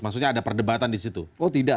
maksudnya ada perdebatan di situ oh tidak